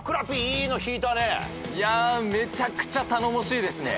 めちゃくちゃ頼もしいですね。